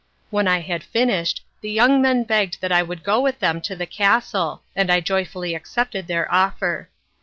When I had finished, the young men begged that I would go with them to the castle, and I joyfully accepted their offer.